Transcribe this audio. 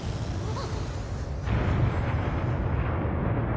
あっ。